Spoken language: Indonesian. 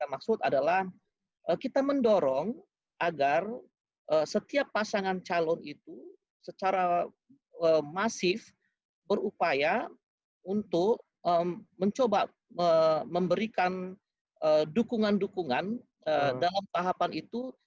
maksud adalah kita mendorong agar setiap pasangan calon itu secara masif berupaya untuk mencoba memberikan dukungan dukungan dalam tahapan itu